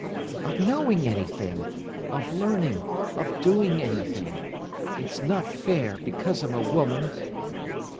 "Of knowing anything—of learning, of doing anything. It's not fair, because I'm a woman."